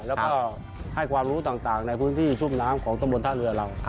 แล้วก็ให้ความรู้ต่างในพื้นที่ชุ่มน้ำของตำบลท่าเรือเรา